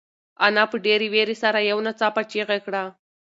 انا په ډېرې وېرې سره یو ناڅاپه چیغه کړه.